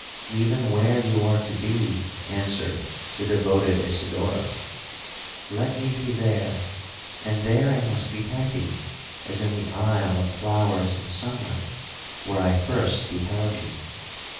'Even where you are to be,' answered the devoted Isidora, 'Let me be there! and there I must be happy, as in the isle of flowers and sunlight, where I first beheld you.